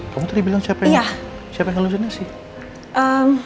kamu tadi bilang siapa yang lusunnya sih